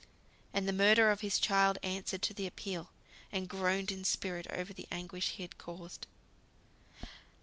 And the murderer of his child answered to the appeal, and groaned in spirit over the anguish he had caused.